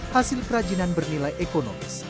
hasil kerajinan bernilai ekonomis